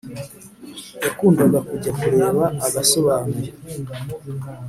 Yakundaga kujya kureba agasobanuye